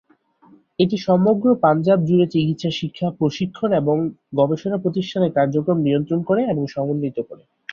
এটি সমগ্র পাঞ্জাব জুড়ে চিকিৎসা শিক্ষা, প্রশিক্ষণ এবং গবেষণা প্রতিষ্ঠানের কার্যক্রম নিয়ন্ত্রণ করে এবং সমন্বিত করে।